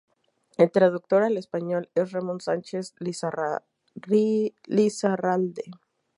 El traductor al español es Ramón Sánchez Lizarralde.